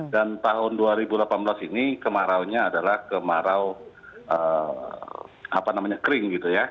dan tahun dua ribu delapan belas ini kemaraunya adalah kemarau kering